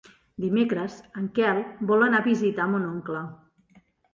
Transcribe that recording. Dimecres en Quel vol anar a visitar mon oncle.